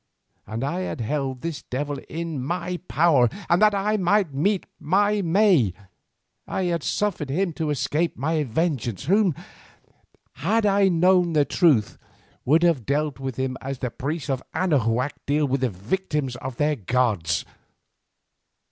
And I had held this devil in my power, and that I might meet my May, I had suffered him to escape my vengeance, who, had I known the truth, would have dealt with him as the priests of Anahuac deal with the victims of their gods.